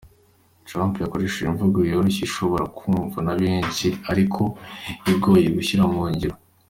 Trump yakoresheje imvugo yoroshye ishobora kumvwa na benshi ariko igoye gushyira mu ngiro.